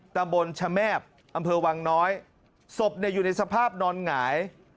ตำบลชะแมบอำเภอวังน้อยศพอยู่ในสภาพนอนหงาย